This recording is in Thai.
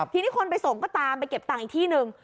ทีนี้คนไปส่งก็ตามไปเก็บตังค์อีกที่หนึ่ง